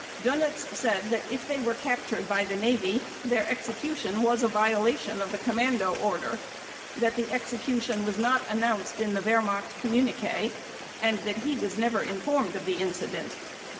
Dönitz said that if they were captured by the Navy their execution was a violation of the Commando Order, that the execution was not announced in the Wehrmacht communiqué, and that he was never informed of the incident.